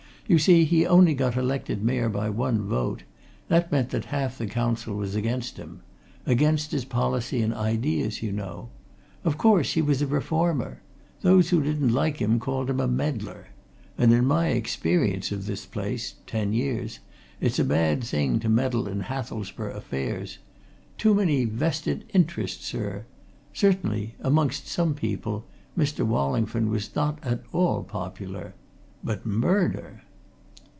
"You see, he only got elected Mayor by one vote. That meant that half the Council was against him. Against his policy and ideas, you know. Of course he was a reformer. Those who didn't like him called him a meddler. And in my experience of this place ten years it's a bad thing to meddle in Hathelsborough affairs. Too many vested interests, sir! Certainly amongst some people Mr. Wallingford was not at all popular. But murder!"